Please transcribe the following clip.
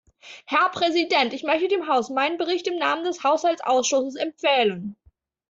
Herr Präsident, ich möchte dem Haus meinen Bericht im Namen des Haushaltsausschusses empfehlen.